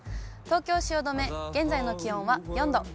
東京・汐留、現在の気温は４度。